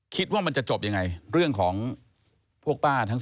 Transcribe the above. คิดว่ามันจะจบยังไงเรื่องของพวกป้าทั้ง๓